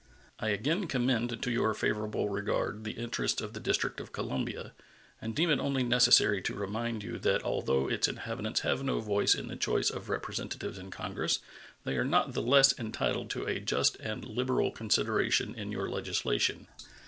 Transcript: I again commend to your favorable regard the interests of the District of Columbia, and deem it only necessary to remind you that although its inhabitants have no voice in the choice of Representatives in Congress, they are not the less entitled to a just and liberal consideration in your legislation.